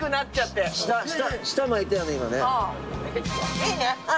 いいね？